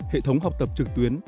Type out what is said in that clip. hệ thống học tập trực tuyến